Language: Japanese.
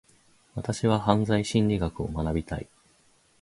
私は犯罪心理学を学びたい。